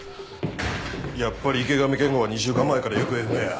やっぱり池上健吾は２週間前から行方不明や。